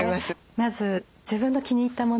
まず自分の気に入ったもの